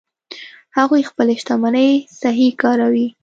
هغوی خپلې شتمنۍ صحیح کاروي